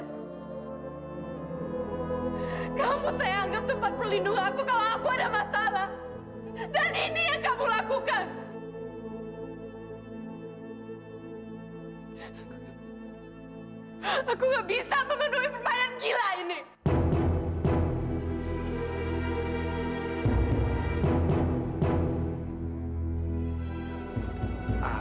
sampai jumpa di video selanjutnya